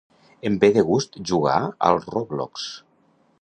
Em ve de gust jugar al "Roblox".